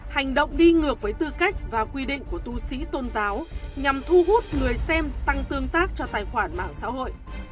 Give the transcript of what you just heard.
hành động đi ngược với tư cách và quy định của tu sĩ tôn giáo nhằm thu hút người xem tăng tương tác cho tài khoản mạng xã hội